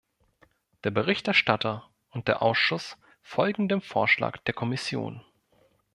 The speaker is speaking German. Der Berichterstatter und der Ausschuss folgen dem Vorschlag der Kommission.